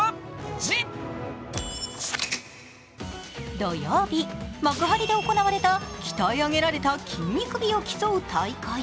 土曜日、幕張で行われた鍛え上げられた筋肉美を競う大会。